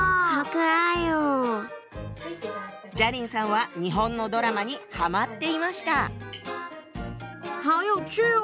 佳伶さんは日本のドラマにハマっていました。